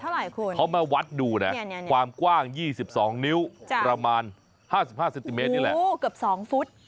โหเกือบ๒ฟุต